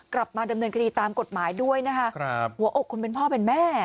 กลับมาดำเนินคดีตามกฎหมายด้วยนะคะครับหัวอกคนเป็นพ่อเป็นแม่